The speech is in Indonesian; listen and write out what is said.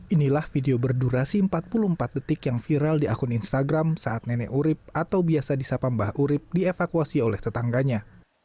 inilah video berdurasi empat puluh empat detik yang viral di akun instagram saat nenek urib atau biasa disapa mbah urib dievakuasi oleh tetangganya